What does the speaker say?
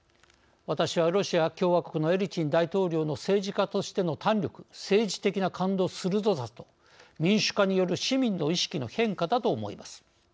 私は、ロシア共和国のエリツィン大統領の政治家としての胆力政治的な勘の鋭さと民主化による市民の意識の変化だと思います。